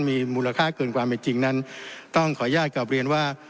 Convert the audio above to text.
มีมูลค่าเกินความเป็นจริงนั้นต้องขออนุญาตกลับเรียนว่า